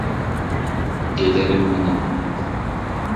Нәҙекәйҙәрем минең